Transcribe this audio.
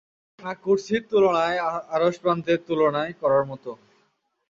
আর কুরসীর তুলনায় আরশ প্রান্তরের তুলনায় কড়ার মত।